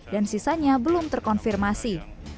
dan sisanya belum terkonfirmasi